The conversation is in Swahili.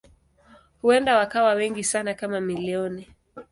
Huenda wakawa wengi sana kama milioni.